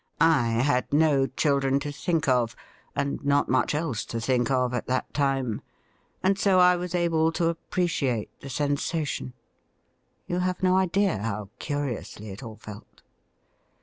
I had no children to think of, and not much else to think of at that time, and so I was able to appreciate the sensation. You have no idea how curiously it all felt.'